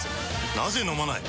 なぜ飲まない？